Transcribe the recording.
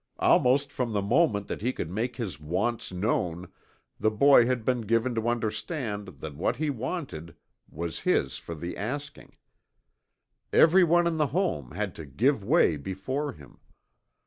Almost from the moment that he could make his wants known the boy had been given to understand that what he wanted was his for the asking. Everyone in the home had to give way before him.